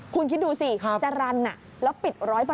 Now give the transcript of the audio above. คุณคิดดูสิจรรย์แล้วปิด๑๐๐